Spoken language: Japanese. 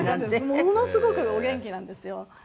ものすごくお元気なんですよ。